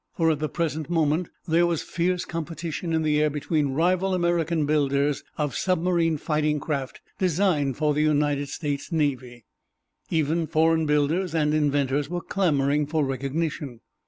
For, at the present moment, there was fierce competition in the air between rival American builders of submarine fighting craft designed for the United States Navy. Even foreign builders and inventors were clamoring for recognition.